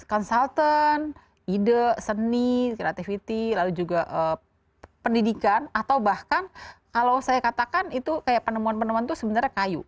konsultan ide seni creativity lalu juga pendidikan atau bahkan kalau saya katakan itu kayak penemuan penemuan itu sebenarnya kayu